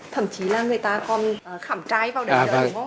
thậm chí là người ta còn khảm trai vào đây đúng không ạ